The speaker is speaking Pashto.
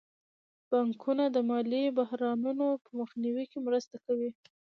بانکونه د مالي بحرانونو په مخنیوي کې مرسته کوي.